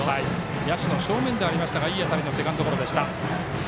野手の正面でしたがいい当たりのセカンドゴロでした。